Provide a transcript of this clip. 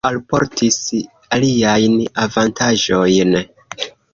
Tio alportis aliajn avantaĝojn.